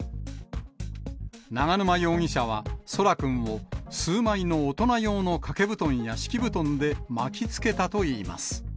永沼容疑者は、奏良くんを数枚の大人用の掛け布団や敷き布団で巻きつけたといいます。